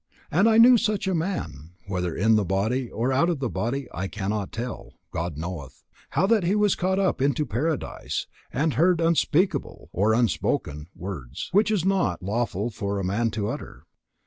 And I knew such a man, (whether in the body, or out of the body, I cannot tell: God knoweth;) how that he was caught up into paradise, and heard unspeakable [or, unspoken] words, which it is not lawful for a man to utter."